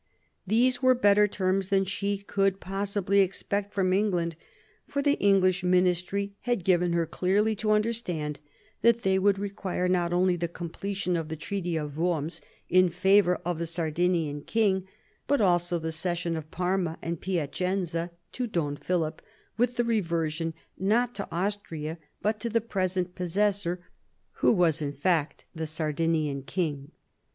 ' These were better terms than she could possibly expect from England ; for the English ministry had given her clearly to understand that they would require not only the completion of the Treaty of Worms in favour of the Sardinian king, but also the cession of Parma and Piacenza to Don Philip, with the reversion not to Austria but to the present possessor, who was in fact the Sardinian king.